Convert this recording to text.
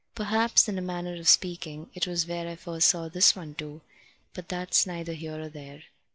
Perhaps, in a manner of speaking, it was where I first saw this one too, but that's neither here nor there.